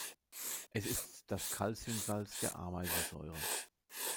Es ist das Calciumsalz der Ameisensäure.